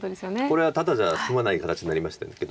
これはただじゃ済まない形になりましたけど。